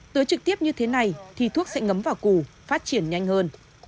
tưới trực tiếp như thế này thì thuốc sẽ ngấm vào củ phát triển nhanh hơn